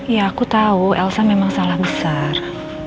ya aku tahu elsa memang salah besar